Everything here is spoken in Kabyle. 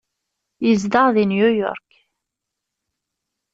Yezdeɣ deg New York.